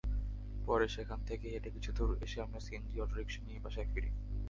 পরে সেখান থেকে হেঁটে কিছুদূর এসে আমরা সিএনজি অটোরিকশা নিয়ে বাসায় ফিরি।